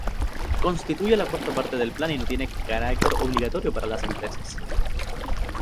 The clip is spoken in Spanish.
Constituye la cuarta parte del plan y no tiene carácter obligatorio para las empresas.